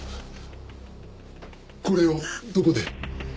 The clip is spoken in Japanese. これをどこで？